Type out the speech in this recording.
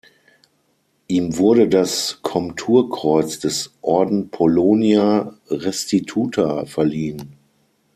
Ihm wurde das Komturkreuz des Orden Polonia Restituta verliehen.